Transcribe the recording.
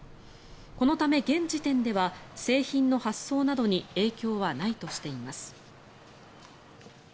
このため現時点では製品の発送などに影響はないとしています。